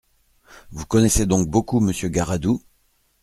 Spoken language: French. Vous connaissez donc beaucoup Monsieur Garadoux ?